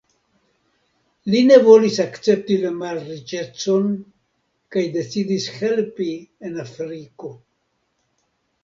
Li ne volis akcepti la malriĉecon kaj decidis helpi en Afriko.